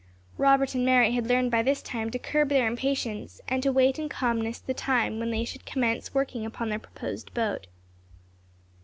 Robert and Mary had learned by this time to curb their impatience, and to wait in calmness the time when they should commence working upon their proposed boat.